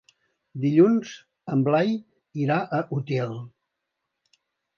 Dilluns en Blai irà a Utiel.